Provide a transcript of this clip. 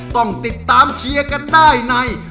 ต้องติดตามเชียร์กันได้ใน